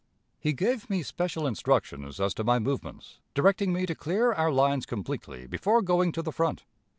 He gave me special instructions as to my movements, directing me to clear our lines completely before going to the front....